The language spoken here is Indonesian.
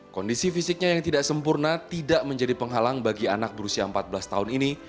kondisi fisiknya yang tidak sempurna tidak menjadi penghalang bagi anak berusia empat belas tahun ini